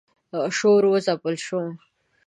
شور و ځپل شو.